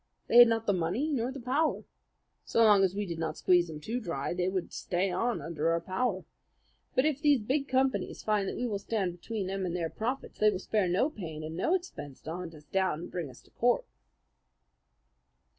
They had not the money nor the power. So long as we did not squeeze them too dry, they would stay on under our power. But if these big companies find that we stand between them and their profits, they will spare no pains and no expense to hunt us down and bring us to court."